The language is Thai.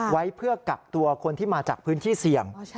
ไว้เพื่อกักตัวคนที่มาจากพื้นที่เสี่ยง